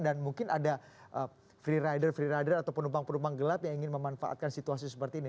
dan mungkin ada free rider free rider atau penumpang penumpang gelap yang ingin memanfaatkan situasi seperti ini